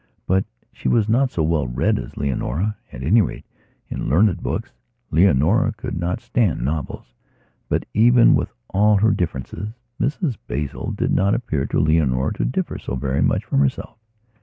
But she was not so well read as Leonora, at any rate in learned books. Leonora could not stand novels. But, even with all her differences, Mrs Basil did not appear to Leonora to differ so very much from herself.